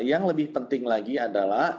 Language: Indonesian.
yang lebih penting lagi adalah